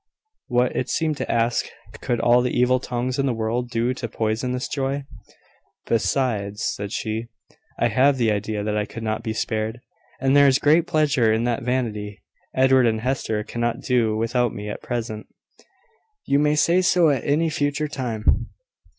What, it seemed to ask, could all the evil tongues in the world do to poison this joy? "Besides," said she, "I have the idea that I could not be spared; and there is great pleasure in that vanity. Edward and Hester cannot do without me at present." "You may say so at any future time."